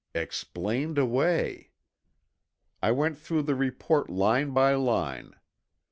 Explained away. I went through the report line by line.